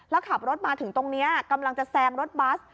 แล้วขับรถมาถึงตรงนี้กำลังจะแซงรถบัส